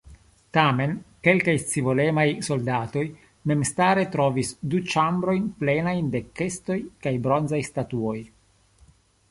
Tamen kelkaj scivolemaj soldatoj memstare trovis du ĉambrojn plenajn da kestoj kaj bronzaj statuoj.